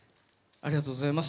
ありがとうございます。